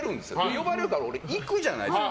呼ばれるから俺行くじゃないですか。